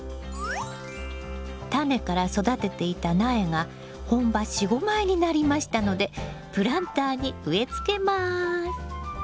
タネから育てていた苗が本葉４５枚になりましたのでプランターに植えつけます。